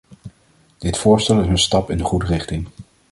Dit voorstel is een stap in de goede richting.